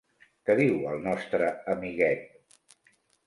Què diu el nostre amiguet?